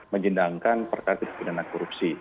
menjendangkan perkartus kebenaran korupsi